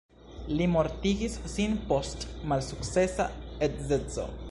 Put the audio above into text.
Li mortigis sin post malsukcesa edzeco.